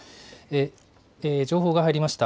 情報が入りました。